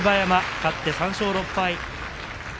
勝って３勝６敗。